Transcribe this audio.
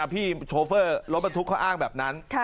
โชเฟอร์รถบรรทุกเขาอ้างแบบนั้น